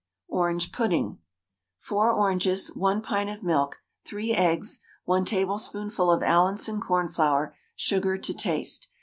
ORANGE PUDDING. 4 oranges, 1 pint of milk, 3 eggs, 1 tablespoonful of Allinson cornflour, sugar to taste.